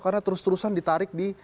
karena terus terusan ditarik di